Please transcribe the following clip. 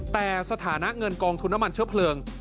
แต่สถานะเงินกองทุนน้ำมันเชื้อเพลิง